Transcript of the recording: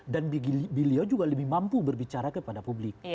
dan beliau juga lebih mampu berbicara kepada publik